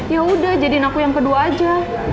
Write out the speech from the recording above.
yaudah jadiin aku yang kedua aja